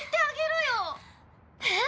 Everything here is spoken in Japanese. えっ？